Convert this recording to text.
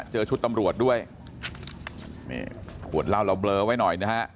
เจอชุดตำรวจด้วยนี่ขวดเหล้าเราเบลอไว้หน่อยนะฮะ